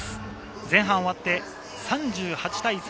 前半終わって３８対３５。